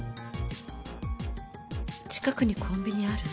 近くにコンビニある？